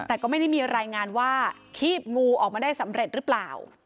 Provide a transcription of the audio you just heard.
แต่ก็ไม่ได้มีรายงานว่าคีบงูออกมาได้สำเร็จหรือเปล่า